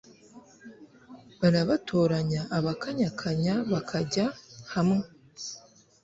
barabatoranya abakanyakanya bakajya hamwe